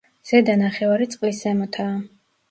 ზედა ნახევარი წყლის ზემოთაა.